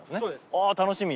あっ楽しみ。